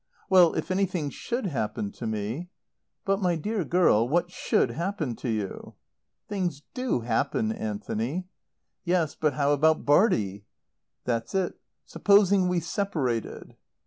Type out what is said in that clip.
"Well, if anything should happen to me " "But, my dear girl, what should happen to you?" "Things do happen, Anthony." "Yes, but how about Bartie?" "That's it. Supposing we separated."